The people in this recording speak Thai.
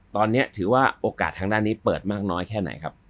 ตอนนี้ถือว่าโอกาสทางด้านนี้เปิดมากน้อยแค่ไหนครับ